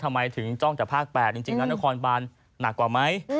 ทำไมถึงจ้องจากภาค๘จริงแล้วนครบานหนักกว่าไหม